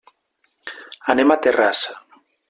Anem a Terrassa.